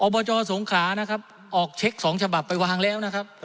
บจสงขลานะครับออกเช็คสองฉบับไปวางแล้วนะครับ